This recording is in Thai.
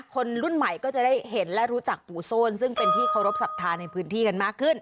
คนรุ่นใหม่ก็จะได้เห็นและรู้จักปู่โซนซึ่งเป็นที่เคารพสัทธาในพื้นที่กันมากขึ้น